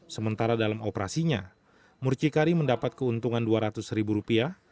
sementara dalam operasinya mucikari mendapat keuntungan dua ratus ribu rupiah